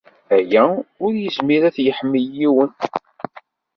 Aya ur yezmir ad t-yeḥmel yiwen!